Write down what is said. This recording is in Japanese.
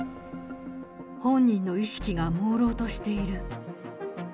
本人の意識がもうろうとしている。